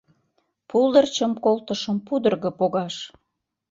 Пулдырчым колтышым пудырго погаш